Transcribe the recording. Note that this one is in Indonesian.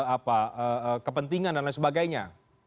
apa kepentingan dan lain sebagainya